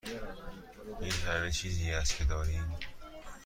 این همه چیزی است که داریم.